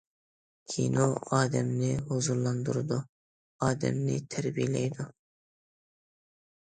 كىنو ئادەمنى ھۇزۇرلاندۇرىدۇ، ئادەمنى تەربىيەلەيدۇ.